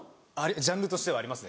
ジャンルとしてはあります